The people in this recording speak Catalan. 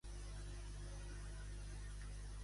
Però, quina és l'actitud de Déu?